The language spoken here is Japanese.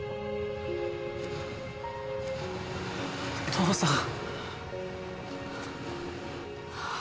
父さん。